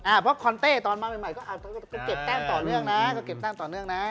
อ่าเพราะคอนเต้ตอนมาใหม่ก็เก็บแก้มต่อเนื่องนะ